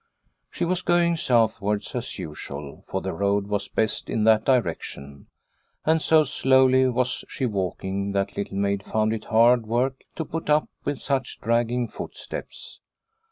She was going southwards as usual, for the road was best in that direction, and so slowly was she walking that Little Maid found it hard work to put up with such dragging footsteps.